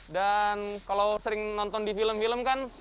dan kalau sering nonton di film film kan